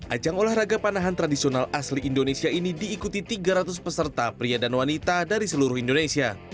ajang olahraga panahan tradisional asli indonesia ini diikuti tiga ratus peserta pria dan wanita dari seluruh indonesia